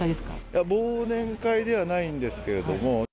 いや、忘年会ではないんですけども。